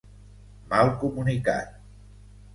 Mal comunicat.